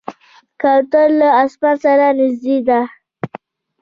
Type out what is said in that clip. کوتره له اسمان سره نږدې ده.